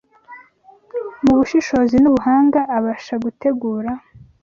Mu bushishozi n’ubuhanga, abasha gutegura